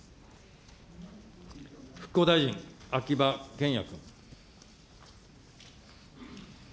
復興大臣、秋葉賢也君。